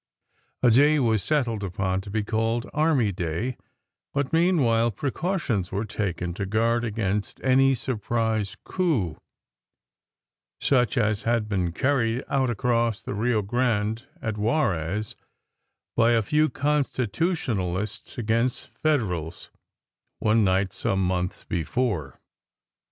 A day was settled upon to be called "Army Day "; but meanwhile, precautions were taken to guard against any "surprise coup," such as had been carried out across the Rio Grande at Juarez by a few Constitutionalists against Federals, one night some months before.